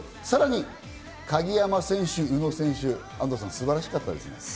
さらに鍵山選手、宇野選手、素晴らしかったですね。